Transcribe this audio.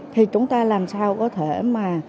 thì chúng ta làm sao có thể mà